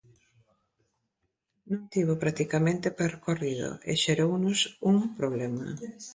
Non tivo practicamente percorrido e xerounos un problema.